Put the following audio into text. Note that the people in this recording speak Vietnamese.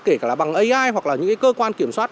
kể cả bằng ai hoặc là những cơ quan kiểm soát